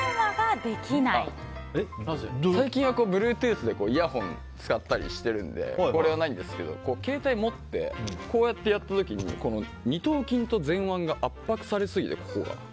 最近はＢｌｕｅｔｏｏｔｈでイヤホン使ったりしてるのでこれはないんですけど携帯持ってこうやってやった時に二頭筋と前腕が圧迫されすぎて。